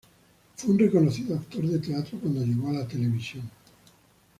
Fue un reconocido actor de teatro cuando llegó a la televisión.